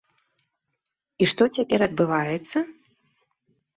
І што цяпер адбываецца?